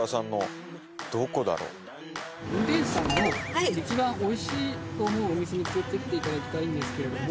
運転手さんの一番おいしいと思うお店に連れていっていただきたいんですけれども。